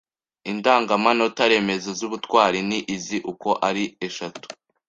Indangamanota remezo z’ubutwari ni izi uko ari eshatu: